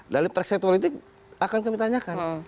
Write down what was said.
dari perspek politik akan kami tanyakan